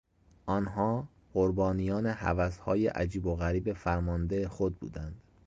آنها قربانیان هوسهای عجیب و غریب فرمانده خود بودند.